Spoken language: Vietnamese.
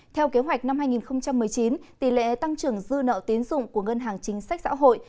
theo kế hoạch năm hai nghìn một mươi chín tỷ lệ tăng trưởng dư nợ tiến dụng của ngân hàng chính sách xã hội